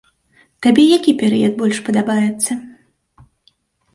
Табе які перыяд больш падабаецца?